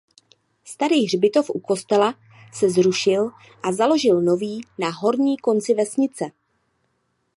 Starý hřbitov u kostela se zrušil a založil nový na horním konci vesnice.